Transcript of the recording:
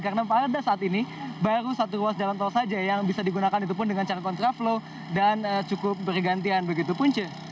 karena pada saat ini baru satu ruas jalan tol saja yang bisa digunakan itu pun dengan cara kontra flow dan cukup bergantian begitu pun